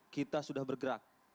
kita sudah bergerak